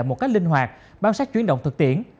một cách linh hoạt bám sát chuyến động thực tiễn